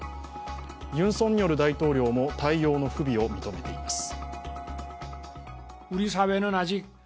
ユン・ソンニョル大統領も対応の不備を認めています。